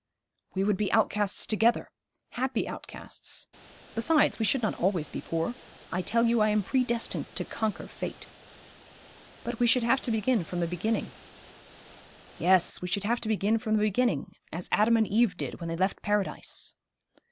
'We would be outcasts together happy outcasts. Besides, we should not always be poor. I tell you I am predestined to conquer fate.' 'But we should have to begin from the beginning.' 'Yes, we should have to begin from the beginning, as Adam and Eve did when they left Paradise.'